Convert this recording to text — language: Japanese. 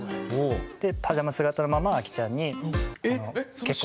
でパジャマ姿のままアキちゃんにあの結婚。